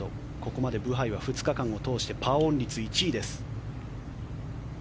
ここまでブハイは２日間を通してパーオン率１位です。